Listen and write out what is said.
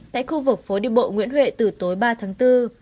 tại khu vực phố đi bộ nguyễn huệ từ tối ba tháng bốn